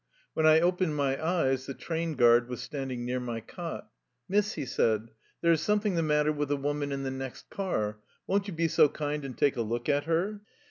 When I opened my eyes the train guard was standing near my cot. " Miss/' he said, " there is something the mat ter with a woman in the next car. Won't you be so kind and take a look at her?"